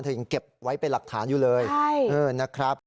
เธอก็ยังเก็บไว้เป็นหลักฐานอยู่เลยใช่เออนะครับ